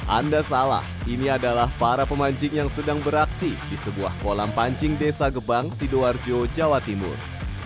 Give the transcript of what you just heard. anda salah ini adalah para pemancing yang sedang beraksi di sebuah kolam pancing desa gebang sidoarjo jawa timur